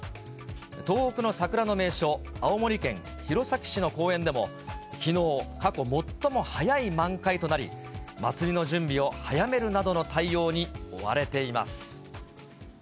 東北の桜の名所、青森県弘前市の公園でも、きのう、過去最も早い満開となり、祭りの準備を早めるなどの対応に追われています。